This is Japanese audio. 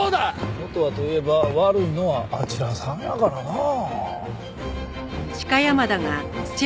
元はといえば悪いのはあちらさんやからなあ。